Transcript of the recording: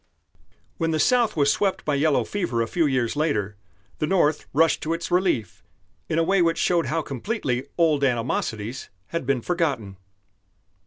When the South was swept by yellow fever a few years later, the North rushed to its relief in a way which showed how completely old animosities had been forgotten.